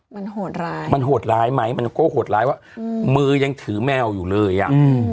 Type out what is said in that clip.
มันโหดร้ายมันโหดร้ายไหมมันก็โหดร้ายว่ามือยังถือแมวอยู่เลยอ่ะอืม